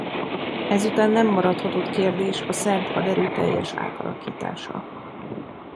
Ezután nem maradhatott kérdés a szerb haderő teljes átalakítása.